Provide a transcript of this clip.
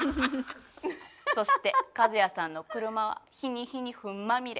そしてカズヤさんの車は日に日にフンまみれ。